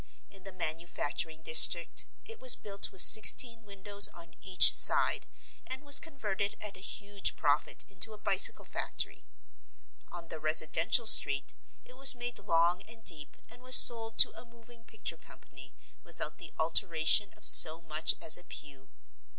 In the manufacturing district it was built with sixteen windows on each side and was converted at a huge profit into a bicycle factory. On the residential street it was made long and deep and was sold to a moving picture company without the alteration of so much as a pew.